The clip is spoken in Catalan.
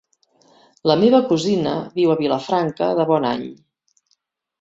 La meva cosina viu a Vilafranca de Bonany.